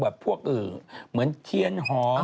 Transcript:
แบบพวกอื่นเหมือนเทียนหอม